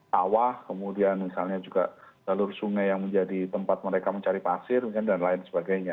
sawah kemudian misalnya juga jalur sungai yang menjadi tempat mereka mencari pasir dan lain sebagainya